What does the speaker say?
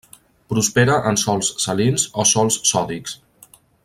Prospera en sòls salins o sòls sòdics.